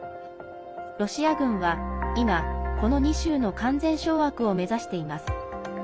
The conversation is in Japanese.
ロシア軍は今、この２州の完全掌握を目指しています。